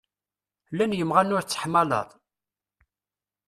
Llan yimɣan ur tettḥamaleḍ?